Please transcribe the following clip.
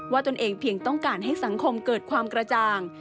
ตนเองเพียงต้องการให้สังคมเกิดความกระจ่าง